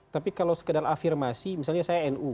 tapi kalau sekedar afirmasi misalnya saya nu